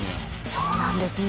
そうなんですね。